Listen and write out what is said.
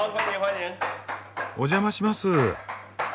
お邪魔します。